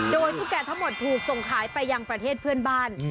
โดยตุ๊กแก่ทั้งหมดถูกส่งขายไปยังประเทศเพื่อนบ้าน